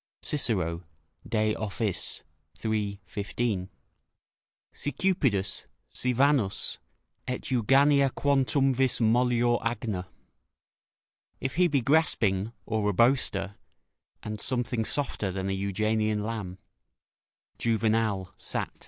Cicero, De Offic., iii. 15.] "Si cupidus, si Vanus, et Euganea quantumvis mollior agna." ["If he be grasping, or a boaster, and something softer than an Euganean lamb." Juvenal, Sat.